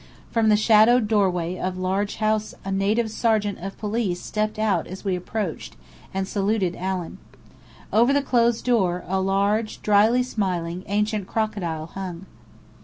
From the shaded doorway of a large house a native sergeant of police stepped out as we approached, and saluted Allen. Over the closed door, a large, dryly smiling, ancient crocodile hung.